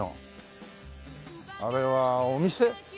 あれはお店？